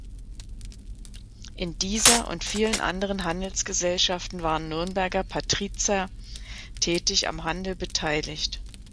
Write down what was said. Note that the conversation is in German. In dieser und vielen anderen Handelsgesellschaften waren Nürnberger Patrizier tätig am Handel beteiligt.